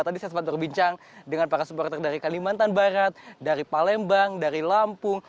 tadi saya sempat berbincang dengan para supporter dari kalimantan barat dari palembang dari lampung